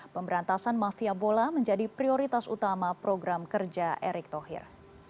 pemberantasan mafia bola menjadi prioritas utama program kerja erick thohir